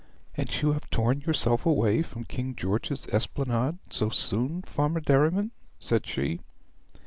'And you have torn yourself away from King George's Esplanade so soon, Farmer Derriman?' said she.